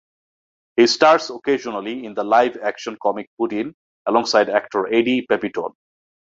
He stars occasionally in the live action comic "Puddin"', alongside actor Eddie Pepitone.